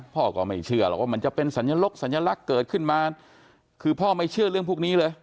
พ่อก็ไม่เชื่อหรอกว่ามันจะเป็นสัญลกสัญลักษณ์เกิดขึ้นมาคือพ่อไม่เชื่อเรื่องพวกนี้เลย